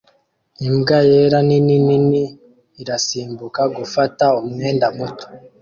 Imbwa yera nini nini irasimbuka gufata umwenda muto